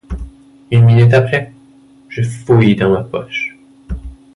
Une minute après, je fouille dans ma poche.